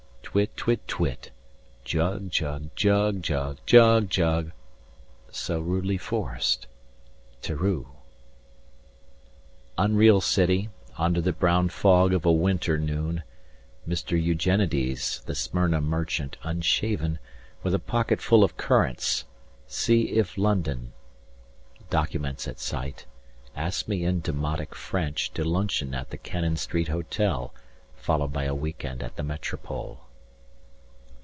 Twit twit twit Jug jug jug jug jug jug So rudely forc'd. 205 Tereu Unreal City Under the brown fog of a winter noon Mr Eugenides, the Smyrna merchant Unshaven, with a pocket full of currants 210 C. i. f. London: documents at sight, Asked me in demotic French To luncheon at the Cannon Street Hotel Followed by a week end at the Metropole.